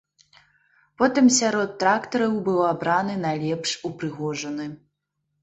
Потым сярод трактароў быў абраны найлепш упрыгожаны.